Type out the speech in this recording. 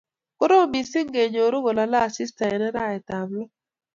Koroom misiing kenyoru kolalei asista eng arawet ab lok